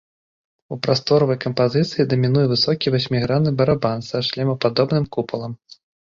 У прасторавай кампазіцыі дамінуе высокі васьмігранны барабан са шлемападобным купалам.